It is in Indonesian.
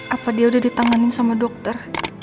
apa dia udah ditanganin sama dokter